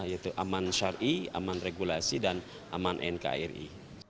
yaitu aman syari aman regulasi dan aman nkri